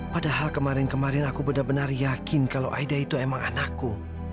padahal kemarin kemarin aku benar benar yakin kalau aida itu emang anakku